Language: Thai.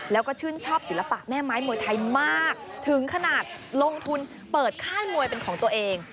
แล้วก็ชื่นชอบศิลปะแม่ไม้มวยไทยมากถึงขนาดลงทุนเปิดค่ายมวยเป็นของตัวเอง